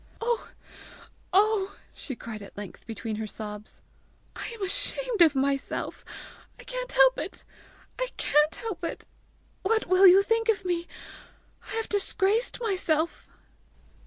"Oh! oh!" she cried at length between her sobs, "I am ashamed of myself! I can't help it! I can't help it! What will you think of me! I have disgraced myself!"